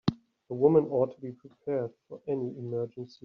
A woman ought to be prepared for any emergency.